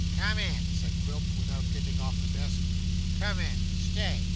'Come in,' said Quilp, without getting off the desk. 'Come in. Stay.